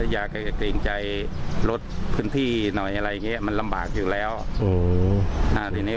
อย่าเกรงใจรถพื้นที่หน่อยอะไรมันลำบากอยู่แล้วทีนี้